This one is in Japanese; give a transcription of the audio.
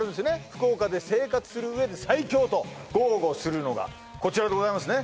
福岡で生活するうえで最強と豪語するのがこちらでございますね